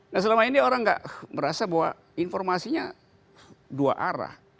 nah selama ini orang tidak merasa bahwa informasinya dua arah